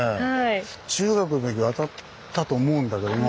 中学のとき渡ったと思うんだけども。